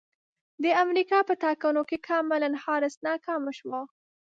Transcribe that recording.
د امریکا په ټاکنو کې کاملا حارس ناکامه شوه